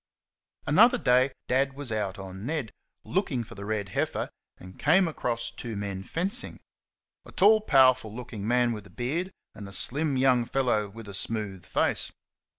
Another day Dad was out on Ned, looking for the red heifer, and came across two men fencing a tall, powerful looking man with a beard, and a slim young fellow with a smooth face.